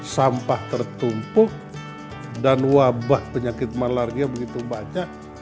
sampah tertumpuk dan wabah penyakit malarga begitu banyak